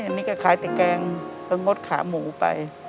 อันนี้ก็ขายแต่แกงก็งดขาหมูไป